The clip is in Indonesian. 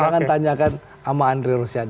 jangan tanyakan sama andre rosiade